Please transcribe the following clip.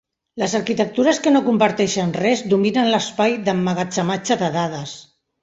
Les arquitectures que no comparteixen res dominen l'espai d'emmagatzematge de dades.